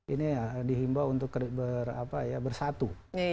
ini dihimbau untuk bersatu